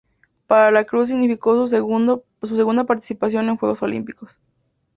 Para La Cruz significó su segunda participación en Juegos Olímpicos.